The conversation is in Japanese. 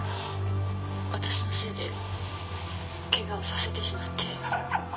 私のせいでケガをさせてしまってごめんなさい。